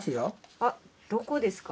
あっどこですか？